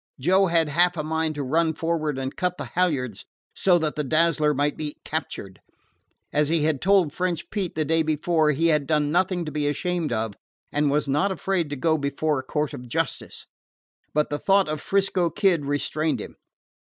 Joe had half a mind to run forward and cut the halyards so that the Dazzler might be captured. As he had told French Pete the day before, he had done nothing to be ashamed of, and was not afraid to go before a court of justice. But the thought of 'Frisco Kid restrained him.